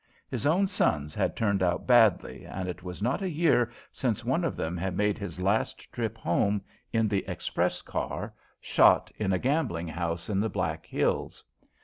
His own sons had turned out badly, and it was not a year since one of them had made his last trip home in the express car, shot in a gambling house in the Black Hills.